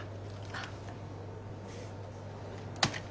あっ。